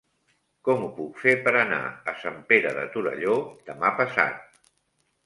Com ho puc fer per anar a Sant Pere de Torelló demà passat?